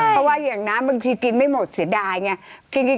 เพราะว่าอย่างน้ำบางทีกินไม่หมดเสียดายไง